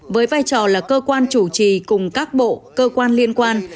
với vai trò là cơ quan chủ trì cùng các bộ cơ quan liên quan